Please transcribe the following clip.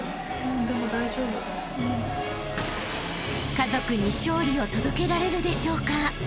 ［家族に勝利を届けられるでしょうか？］